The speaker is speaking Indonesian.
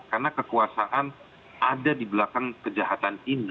karena kekuasaan ada di belakang kejahatan ini